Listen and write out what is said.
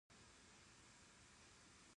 تراکتورونه په کرنه کې کارول کیږي